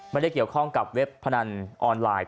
ไม่ได้เกี่ยวข้องกับเว็บพนันออนไลน์